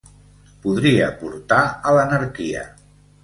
Podria portar a l'anarquia.